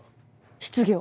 失業。